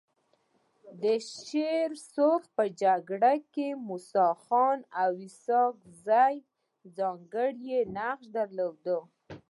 د شيرسرخ په جرګه کي موسي خان اسحق زي ځانګړی نقش درلود.